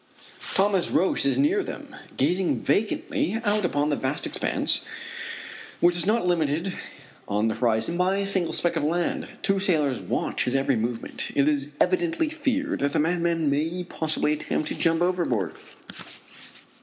Thomas Roch is near them, gazing vacantly out upon the vast expanse which is not limited on the horizon by a single speck of land. Two sailors watch his every movement. It is evidently feared that the madman may possibly attempt to jump overboard.